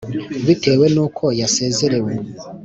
bitewe nu ko yasezerewe